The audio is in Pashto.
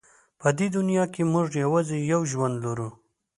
په دې دنیا کې موږ یوازې یو ژوند لرو.